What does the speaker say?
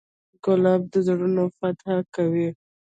ګلاب د زړونو فتحه کوي.